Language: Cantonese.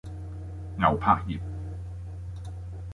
牛柏葉